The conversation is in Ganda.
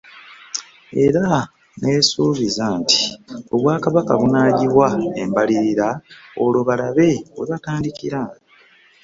Era n'esuubiza nti obwakabaka bunaagiwa embalirira olwo balabe we batandikira